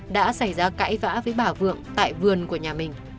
đã xảy ra cãi vã với bà vượng tại vườn của nhà mình